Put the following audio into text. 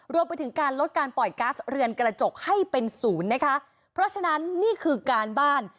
รวมไปถึงการลดการปล่อยก๊าซเรือนกระจกให้เป็นศูนย์นะคะเพราะฉะนั้นนี่คือการบ้าน